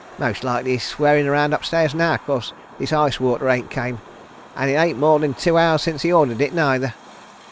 Most likely he's swearin' around upstairs now because this iced water ain't came; and it ain't more than two hours since he ordered it neither."